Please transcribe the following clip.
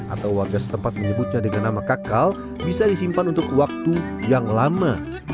atau warga setempat menyebutnya dengan nama kakal bisa disimpan untuk waktu yang lama